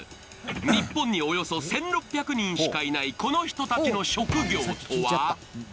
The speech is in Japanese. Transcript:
日本におよそ１６００人しかいない、この人たちの職業とは？